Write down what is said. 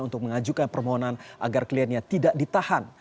untuk mengajukan permohonan agar kliennya tidak ditahan